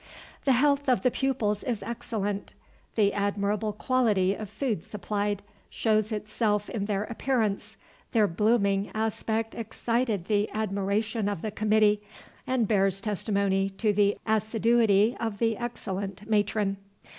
"The health of the pupils is excellent; the admirable quality of food supplied shows itself in their appearance; their blooming aspect excited the admiration of the Committee, and bears testimony to the assiduity of the excellent Matron.